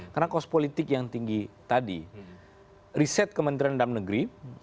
karena kos politik yang tinggi tadi riset kementerian dalam negeri